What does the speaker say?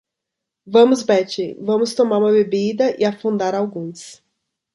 Vamos Betty, vamos tomar uma bebida e afundar alguns.